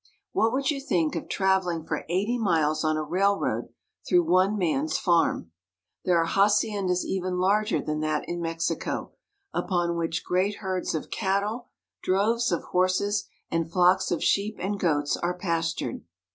What would you think of traveling for eighty miles on a railroad through one man's farm ? There are haciendas even larger than that in Mexico, upon which great herds of cattle, droves of horses, and flocks of sheep and goats are pastured.